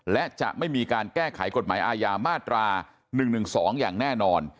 และจะไม่มีการแก้ไขกฎหมายอาญามาตรา๑๑๒อย่างแน่นอน